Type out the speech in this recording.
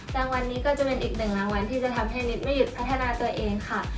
รางวัลนี้ก็จะเป็นอีกหนึ่งรางวัลที่จะทำให้นิดไม่หยุดพัฒนาตัวเองค่ะ